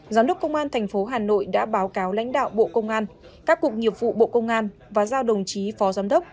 giám đốc công an tp hà nội đã báo cáo lãnh đạo bộ công an các cục nghiệp vụ bộ công an và giao đồng chí phó giám đốc